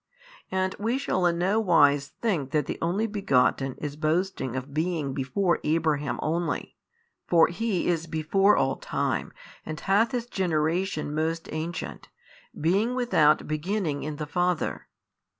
And we shall in no wise think that the Only Begotten is boasting of being before Abraham only, for He is before all time and hath His Generation most ancient, being without beginning in the Father.